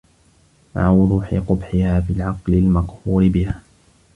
مَعَ وُضُوحِ قُبْحِهَا فِي الْعَقْلِ الْمَقْهُورِ بِهَا